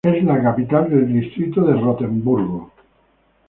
Es la capital del distrito de Rotemburgo.